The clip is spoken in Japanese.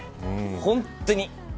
本当に。